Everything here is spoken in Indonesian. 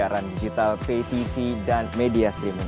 dan di palembang di situ